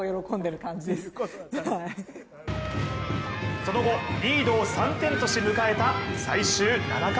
その後、リードを３点とし迎えた、最終７回。